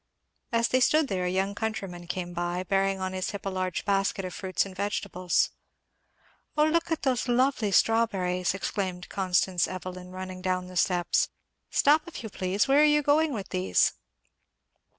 As they stood there a young countryman came by bearing on his hip a large basket of fruit and vegetables. "O look at those lovely strawberries!" exclaimed Constance Evelyn running down the steps. "Stop if you please where are you going with these?"